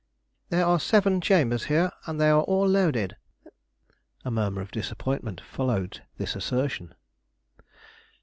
"There are seven chambers here, and they are all loaded." A murmur of disappointment followed this assertion.